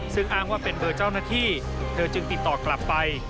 ซึ่งอ้างว่าเป็นเบอร์เจ้าหน้าที่เธอจึงติดต่อกลับไป